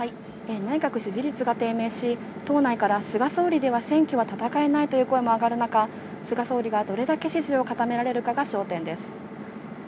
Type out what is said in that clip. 内閣支持率が低迷し党内から菅総理では選挙を戦えないという声も上がる中、菅総理がどれだけ支持を固められるかが焦点です。